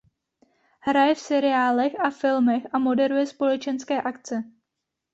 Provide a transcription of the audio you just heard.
Hraje v seriálech a filmech a moderuje společenské akce.